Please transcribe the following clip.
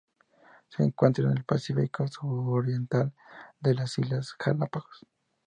Se encuentra en el Pacífico suroriental: las Islas Galápagos.